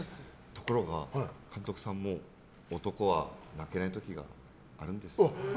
ところが監督さんも男は泣けない時はあるんです、と。